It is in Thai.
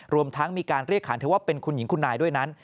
รวมทั้งมีการเรียกขานเธอว่าเป็นคุณหญิงคุณนายด้วยนั้น